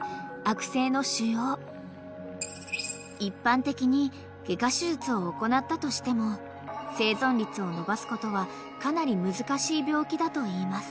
［一般的に外科手術を行ったとしても生存率を伸ばすことはかなり難しい病気だといいます］